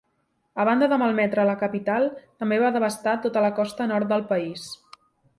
A banda de malmetre la capital, també va devastar tota la costa nord del país.